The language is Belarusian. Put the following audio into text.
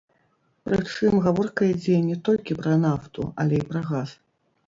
Прычым, гаворка ідзе не толькі пра нафту, але і пра газ.